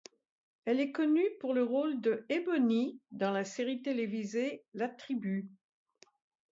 Elle est connue pour le rôle de Ebony dans la série télévisée La Tribu.